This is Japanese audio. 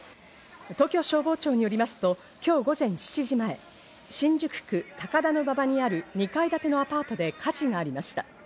東京消防庁によりますと、今日午前７時前、新宿区高田馬場にある２階建てのアパートで火事がありました。